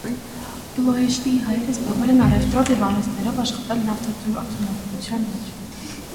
Պլոեշտիի հայերը զբաղվել են առևտրով և արհեստներով, աշխատել նավթարդյունաբերության մեջ։